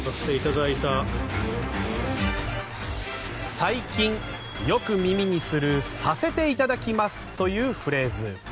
最近、よく耳にする「させていただきます」というフレーズ。